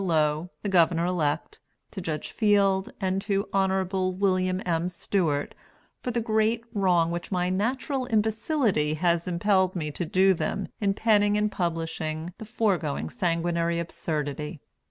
Low, the Governor elect, to Judge Field and to Hon. Wm. M. Stewart, for the great wrong which my natural imbecility has impelled me to do them in penning and publishing the foregoing sanguinary absurdity.